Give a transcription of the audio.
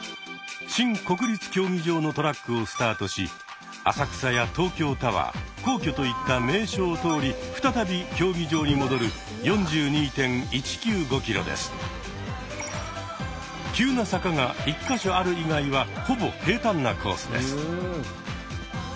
新国立競技場のトラックをスタートし浅草や東京タワー皇居といった名所を通り再び競技場に戻る急な坂が１か所ある以外はほぼ平たんなコースです。